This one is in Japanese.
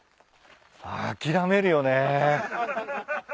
諦めるよね。